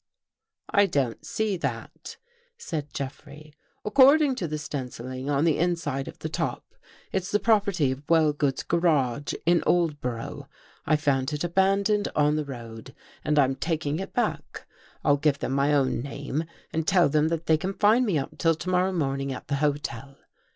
" I don't see that," said Jeffrey. " According to the stenciling on the inside of the top, it's the property of Wellgood's Garage in Oldborough. I found it abandoned on the road and I'm taking it back. I'll give them my own name and tell them that they can find me up till to morrow morning at the hotel.